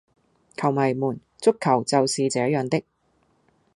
球迷們,足球就是這樣的